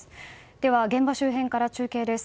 では、現場周辺から中継です。